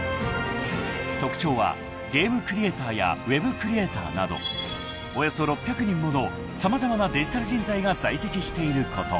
［特徴はゲームクリエーターやＷｅｂクリエーターなどおよそ６００人もの様々なデジタル人材が在籍していること］